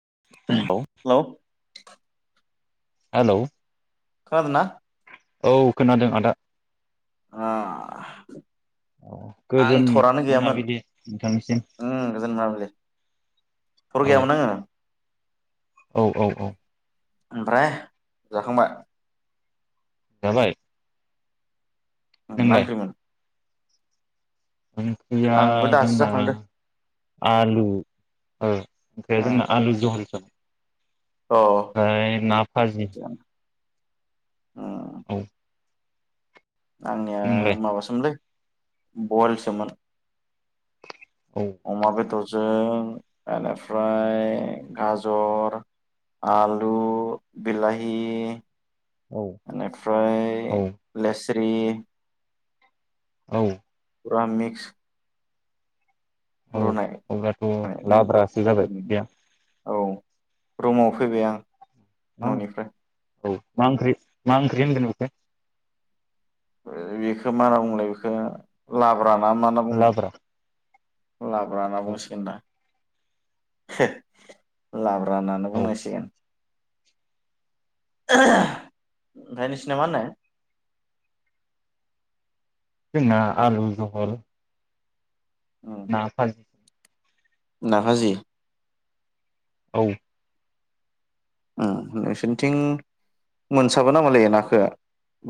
[unintelligible] लौ [unintelligible] हेलौ खोनादोंना औ खोनादों आदा औ आं गोजोन थरानो गैयामोन मोनाबिलि नोंथांनिसिम ओ गोजोन मोनाबिलि थर औ गैयामोन आङो औ औ औ ओमफ्राय जाखांबाय जाबाय माला नोंलाय ओंख्रिमोन ओंख्रिया आंबो दासो जोंना जाखांदो आलु औ ओमफ्राय जोंना आलु जहल ज ओ ओमफ्राय नाफाजि अ उम औ आंनिया नोंलाय माबासोमोनलै बल सोमोन औ अमा बेदस जों बेनिफ्राय गाजर आलु बिलाहि औ बेनिफ्राय औ लेस रि औ फुरा मिक्स औ रुनाय अब्लाथ' लाब्रासो जाबाय ओंख्रिया [unintelligible] औ रुमाव फैबाय आं। [unintelligible] औ न'निफ्राय मा ओंख्रि मा ओंख्रि [unintelligible] बेखौ मा होनना बुंलाय बेखौ लाब्रा बा मा होनना बुङो लाब्रा लाब्रा होनना औ बुंसिगोन दा ला ब्रा होननानै औ बुंनांसिगोन ओमफ्राय नोंसिना मा होनो जोंना आलु जहल ना [unintelligible] ना हाजि। औ। उम नोंसोरनिथिं मोनसाबो नामालै नाखो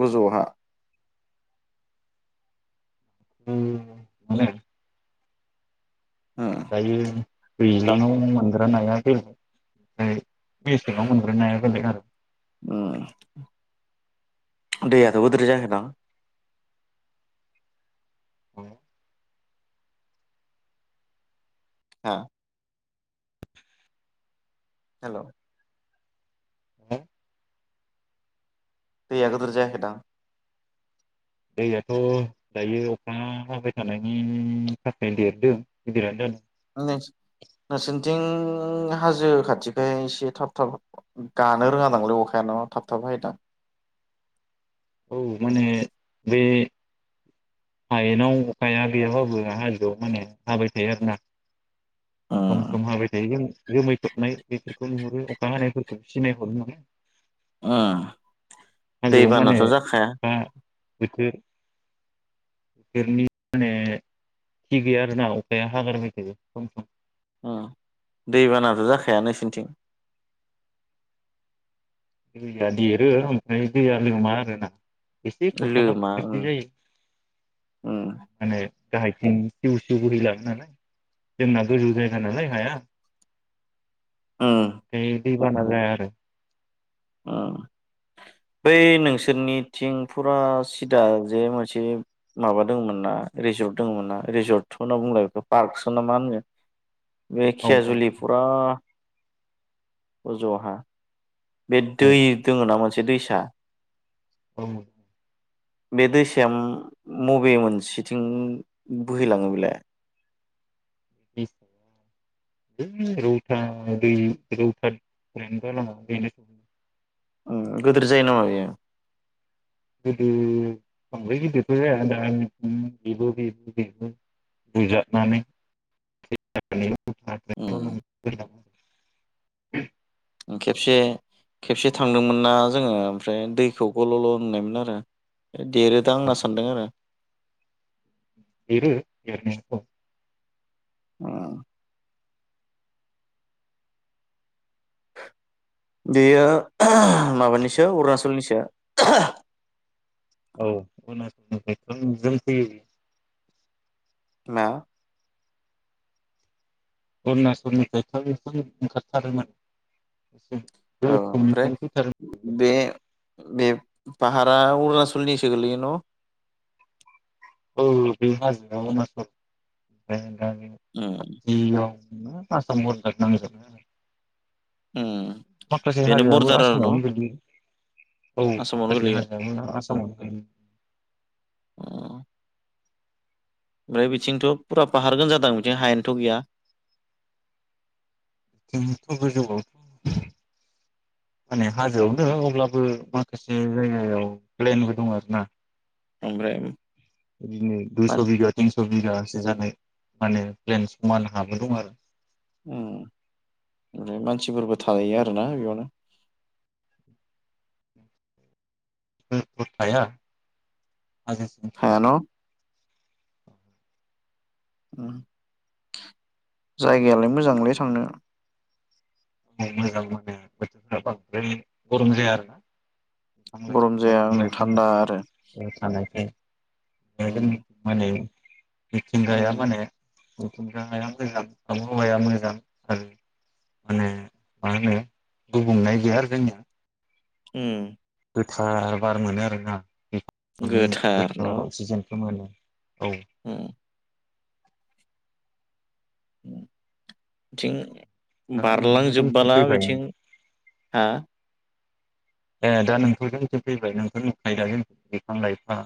गोजौहा उम मोनो। उम दायो दैज्लांआव मोनग्रा नाया बेलेग ओमफ्राय मेसेंआव मोनग्रा नाया बेलेग आरो। उम। दैआथ गोदोर जायाखै दां? औ। ओ हेल' [inaudible] दैआ गोदोर जायाखै दां? दैआथ दायो अखा हाबाय थानायनि थाखाय देरदों गिदिरानो जा [unintelligible] नोंसोरनिथिं हाजो खाथिखाय एसे थाब थाब गानो रोङा नामालै अखाया न थाब थाब हायो दां। औ माने बे हायेनाव अखाया गैयाबाबो हाजोआव माने हाबाय थायो आरोना। सम उम सम हाबाय थायो जोमै खोबनाय बेफोरखौ नुहुरो अखा हानायफोरखौ सिनायहरो माने अ हाजोआव माने दैबानाथ जाखाया। अखा बोथोर बोथोरनि माने थि गैया आरो ना अखाया हागारबाय थायो सम सम। अ दैबानाथ‌ जाखाया नोंसोरनिथिं दैया देरो ओमफ्राय दैया लोमा आरोना। एसे खुरखाला लोमा उम [unintelligible] जायो उम माने गाहायथिं सिउ सिउ बोहैलाङो नालाय जोंना गोजौ जायगा नालाय हाया। अ। ओमफ्राय दैबाना जाया आरो। उम बै नोंसोरनिथिं फुरा सिदा जे मोनसे माबा दङमोन ना रिजर्ट दङमोन ना रिजर्टथ होनना बुंला बेखौ पार्कसो ना मा होनो। बे औ औ खियाजुलि फुरा। अजहा। बे औ दै दोङो नामा। मोनसे दैसा। औ। बे दैसा उम मबे मोनसेथिं बोहैलाङो बेलाय। रौता दै रौतानिफ्रायनो जालाङो ओ गोदोर जायो नामा बेयो। [unintelligible] [unintelligible] उम [inaudible] खेबसे खेबसे थांदोंमोन ना जोङो ओमफ्राय दैखौ गल ल नुनायमोन आरो। देरोदां होनना सानदों आरो। देरो देरनायाथ। औ बेयो माबानिसो अरुणाचलनिसो। औ अरुणचलनिफ्राय जों जों फैयो। मा? अरनासलनिफ्रायथ' एसे ओंखारथारोमोन एसे औ ओमफ्राय गोथौनिफ्रायनो फैथारोमोन बे बे पाहारा अरुणचलनिसो गोलैय न? औ बे हाजोआव उम [unintelligible] [unintelligible] [unintelligible] उम माखासे बेनो हाजोआबो बरदार आरो न' आसामावनो गैलोयो [inaudible] औ आसामावनो माखासे गोलैयो हाजोआबो आसामावनो अ ओमफ्राय बिथिंथ' फुरा फाहारगोन जादों बिथिं हायानोथ' गैया। दोथ' गोजौआवथ' माने हाजोआवनो अब्लाबो माखासे जायगायाव प्लेनबो दं आरो ना। ओमफ्राय बिदिनो दुइस' मान बिघा तिनस' बि बिगासे जानाय माने प्लेन समान हाबो दं आरो उम ओफ्राय मानसिफोरबो थायो आरोना बेयावनो [unintelligible] थाया हाया [inaudible] न' उम जायगायालाय मोजांलै थांनो। मोजां मोनो बोथोरफोरा बांद्राय गरम जाया आरो ना बिफां गरम लाइफां जाया दंफां ओं थान्दा आरो लाइफां थानायखाय उम [inaudible] मिथिंगाया उम माने [unintelligible] मोजां आबहावाया मोजां आरो माने मा होनो गुबुंनाय गैया आरो जोंनिया। उम गोथार बार मोनो आरो ना। गो [unintelligible] गोथार अक्सिजेनखो मोनो। औ उम थिं दा नोंथ' जोंथिं बारलांजोबबोला फैबाय बिथिं हा ए दा नोंथ' जोंनिथिं फैबाय नोंखौ नुखायो दा जों बिफां लाइफां।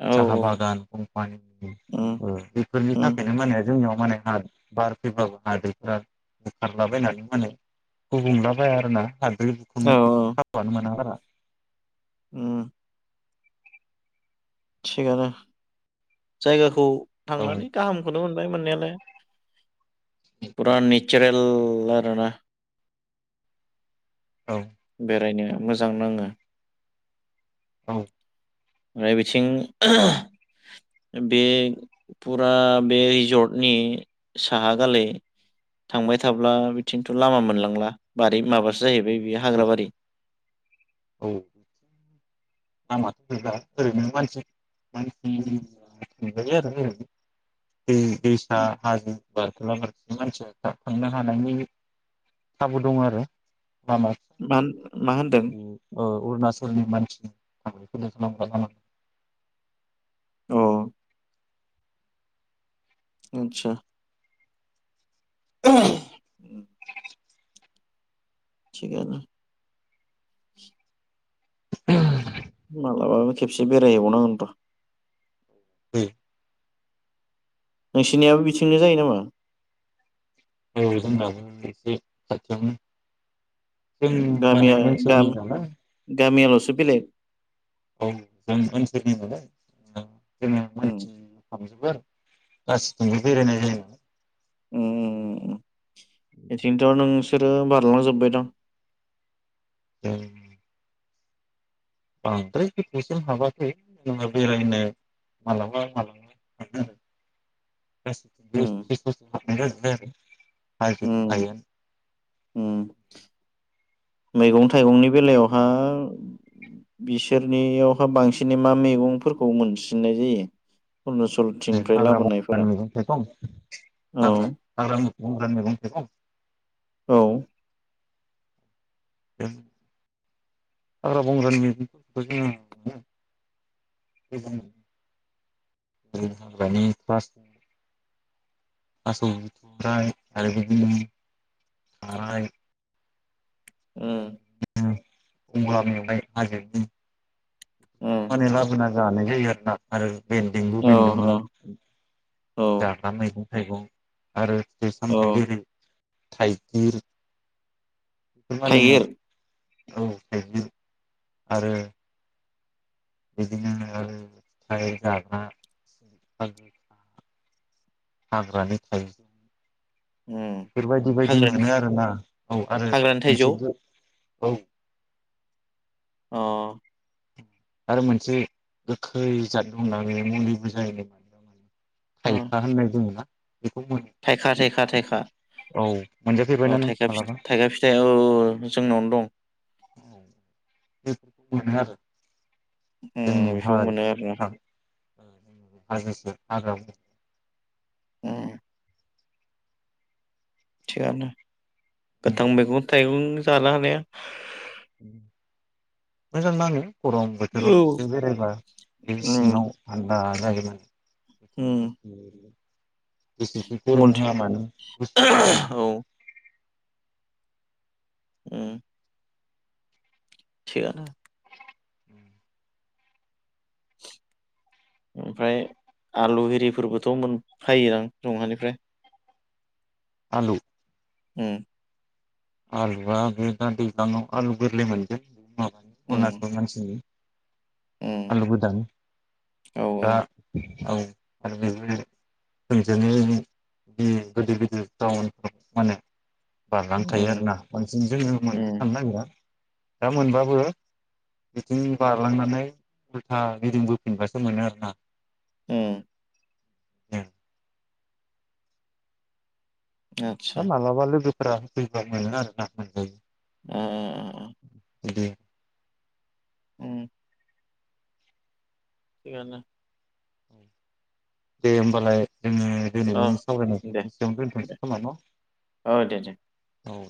औ साहा औ बागान कम्पानि उम ओ बेफोरनि उम थाखायनो माने जोंनियाव माने हा बार फैबाबो हादैफोरा बुखारलाबायनानै माने गुबुंलाबाया आरो ना औ औ [unintelligible] ओम थिगानो जायगाखौ औ थांनानै गाहामखौनो मोनबाय मोननायालाय। पुरा नेसारेल [unintelligible] आरोना औ बेरायनो मोजां नाङो। औ [unintelligible] बिथिं बे फुरा बे रिजर्टनि साहा गालै थांबाय थाब्ला बिथिंथ' लामा मोनलांला बारि माबासो जाहैबाय बेयो हाग्राबारि। औ नामाथ' दा ओरैनो मानसि-मानसि नुजायो आरो ओरैनो। बे दैसा हाजो। बारखोला बारखोलि मानसिया थां थांनो हानायनि खाबु दङ आरो। लामा मान-मा होनदों। ओ अरुणाचलनि मानसि [inaudible] औ आतसा [unintelligible] थिगानो मालाबाबो खेबसे बेरायहैबावनांगोन र'। बै नोंसिनियाबो बिथिंनो जायो नामा। औ जोंनाबो एसे खाथियानो। जों माने गामिया ओनसोलनि गामि नालाय। गामियालसो बेलेग। औ जों आनसोलनि नालाय। जोङो उम मोनथि हाबजोबो आरो गासिदोबो बेरायनाय जायो। उम उम उम। इथिंथ नों बिसोरो बारलांजोब्बाय दां। [unintelligible] बांद्राय गोथौसिम हाबाखै जोङो बेरायनो मालाबा मालाबा थांङो। [unintelligible] उम हानाय जादो ना उम जायाखै? उम मैगं थाइगंनि बेलायावहा बिसोरनियावहा बांसिनै मा मैगंफोरखौ मोनसिननाय जायो? अरुणाचलथिंनिफ्राय हाग्रा बंग्रानि लाबोनायफोरा मैगं थाइगं औ हाग्रा बंग्रानि मैगं थाइगं। औ हाग्रा बंग्रानि मैगंफोरखौथ' जोङो मोनो हाग्रानि थ्ला' थासौ थाय आरो बिदिनो खानाय ओम। गंग्ला मेववाय हाजोनि। माने उम लाबोनानै। जानाय जायो आरो ना आरो बेन्दोंबो औ बेन्दोंब्ला औ जागना थाइगं आरो समथाइ औ बेबादि थाइगिर। मान थाइगिर औ थाइगिर आरो बिदिनो आरो जाग्रा फ हाग्रानि थायो। उम बेफोरबायदि बायदि हाग्रानि मोनो आरो ना औ आरो हाग्रानि थाइजौ मोनसे औ। अ आरो मोनसे गोखै जाद दंना बे मुलिबो जायो। थायखा होननाय दंना। थायखा थायखा थायखा औ मोनजाफेरबायना औ नों थाइखा मालाबा थाइखा फिथाइ औ जोंनावनो दं। बेफोरखौ मोनो आरो। जोंनि उम बेखौ हा मोनो आरोना हाजो सेर हाग्रा उम थिगानो गोथां मैगं-थाइगं थाइगं जानो हानाया मोजां नाङो गरम बोथोराव औ एसे बेरायब्ला बे उम सिङाव मान ओ उम [unintelligible] [unintelligible] बेसेसो मोन गरम होआ मानो गोसोबानो थायो औ उम थिगानो ओमफ्राय आलु आररिफोरबोथ' मोनफायो आं रंहानिफ्राय आलु उम आलुआ बे दा दैज्लां आव आलु गोरलै मोनगोन उम अरनाचल मानसि उम आलुबोदां औ दा औ औ आरो [unintelligible] गोदिर गोदिर टाउनफ्राव फानो थायो उम आरोना बांसिन जोंजों मोननो उम थांनो नागिरा दा मोनबाबो बिथिं बारलांनानै उल्था गिदिंबोफिनबासो मोनो आरोना उम औ आतसा मालाबा लोगोब फ्रा फैबा मोना आरो ना [unintelligible] उम उम उम उम दै उम थिगानो दे होमबालाय जोङो औ दिनैनि सावरायनायखौ दे बिसियावनो दे दोनथसै खोमा औ दे दे न औ